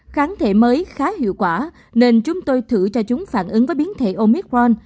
kháng thể mới khá hiệu quả nên chúng tôi thử cho chúng phản ứng với biến thể omicron